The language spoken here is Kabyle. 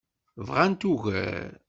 Bɣant ugar.